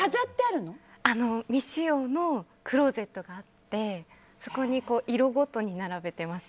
未使用のクローゼットがあってそこに色ごとに並べてます。